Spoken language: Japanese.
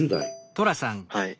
はい。